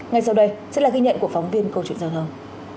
ngay sau đây sẽ là ghi nhận của phóng viên câu chuyện giao thông